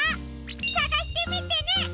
さがしてみてね！